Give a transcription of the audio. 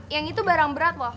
yang itu barang berat loh